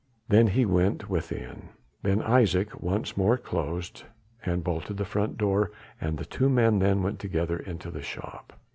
Then he went within. Ben Isaje once more closed and bolted the front door and the two men then went together into the shop.